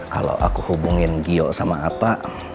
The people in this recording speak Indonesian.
kalau aku hubungin gio sama apa